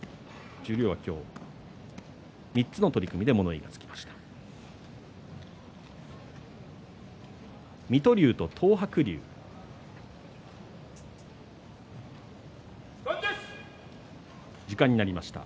十両は今日、３つの取組で物言いがつきました。